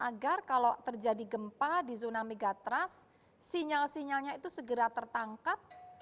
agar kalau terjadi gempa di zona megatrust sinyal sinyalnya itu segera tertangkap